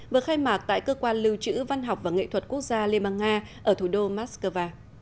vừa khai mạc tại cơ quan lưu trữ văn học và nghệ thuật quốc gia liên bang nga ở thủ đô moscow